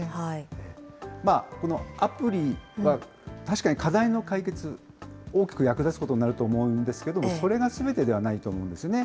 このアプリは確かに課題の解決、大きく役立つことになると思うんですけれども、それがすべてではないと思うんですよね。